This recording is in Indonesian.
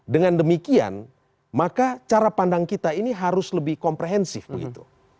dengan demikian maka cara pandang kita ini harus lebih komprehensif begitu